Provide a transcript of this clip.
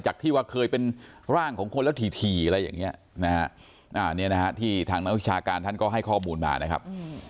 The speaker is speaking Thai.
จากที่ว่าเคยเป็นร่างของคนแล้วถี่อะไรอย่างนี้นะฮะอันนี้นะฮะที่ทางนักวิชาการท่านก็ให้ข้อมูลมานะครับ